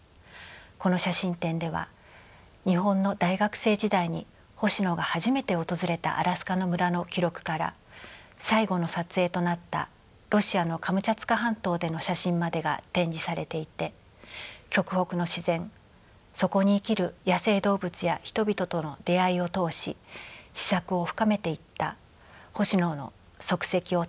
この写真展では日本の大学生時代に星野が初めて訪れたアラスカの村の記録から最後の撮影となったロシアのカムチャツカ半島での写真までが展示されていて極北の自然そこに生きる野生動物や人々との出会いを通し思索を深めていった星野の足跡をたどることができます。